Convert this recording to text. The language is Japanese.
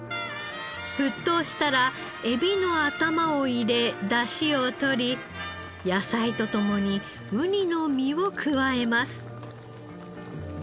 沸騰したらエビの頭を入れダシを取り野菜と共にウニの身を加えます。